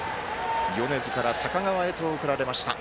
米津から高川へと送られました。